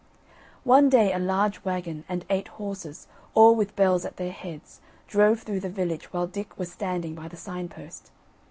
One day a large waggon and eight horses, all with bells at their heads, drove through the village while Dick was standing by the sign post.